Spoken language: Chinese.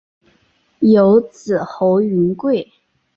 有子侯云桂。